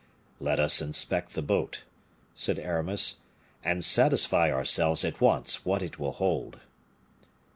"Let us inspect the boat," said Aramis, "and satisfy ourselves at once what it will hold."